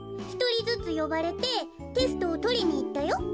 ひとりずつよばれてテストをとりにいったよ。